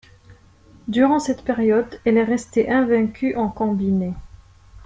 Durant cette période, elle est restée invaincue en combiné.